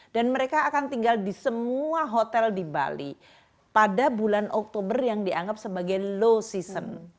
dan mereka akan tinggal di semua hotel di bali pada bulan oktober yang dianggap sebagai low season